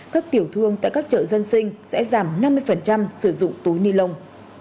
các tiểu thương tại các chợ dân sinh sẽ giảm năm mươi sử dụng túi ni lông